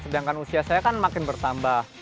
sedangkan usia saya kan makin bertambah